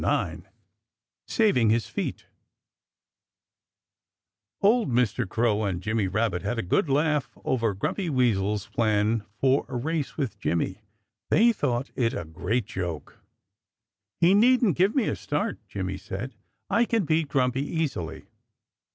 IX SAVING HIS FEET Old Mr. Crow and Jimmy Rabbit had a good laugh over Grumpy Weasel's plan for a race with Jimmy. They thought it a great joke. "He needn't give me a start," Jimmy said. "I can beat Grumpy easily."